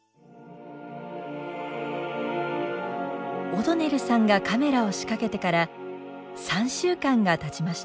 オドネルさんがカメラを仕掛けてから３週間がたちました。